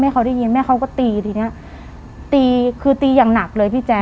เขาได้ยินแม่เขาก็ตีทีเนี้ยตีคือตีอย่างหนักเลยพี่แจ๊